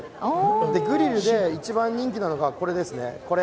グリルで一番人気なのが、これです